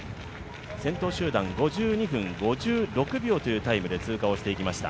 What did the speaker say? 先頭集団、５２分５６秒というタイムで通過していきました。